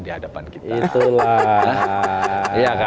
di hadapan kita itulah iya kan